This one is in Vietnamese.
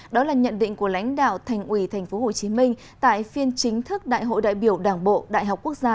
đó là nhận định của lãnh đạo thành ủy tp hcm tại phiên chính thức đại hội đại biểu đảng bộ đại học quốc gia